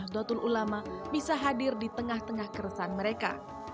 dan nafdlatul ulama bisa hadir di tengah tengah keresan mereka